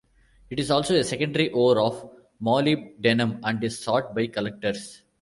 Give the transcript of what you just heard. It is also a secondary ore of molybdenum, and is sought by collectors.